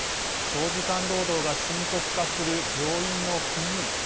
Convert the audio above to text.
長時間労働が深刻化する病院の勤務医。